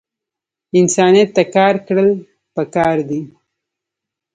انسانیت ته کار کړل پکار دے